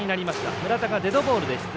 村田がデッドボールで出塁。